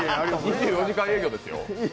２４時間営業ですよ。